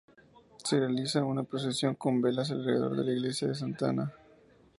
Se realiza una procesión con velas alrededor de la Iglesia de Santa Ana.